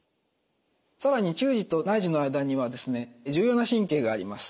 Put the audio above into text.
更に中耳と内耳の間には重要な神経があります。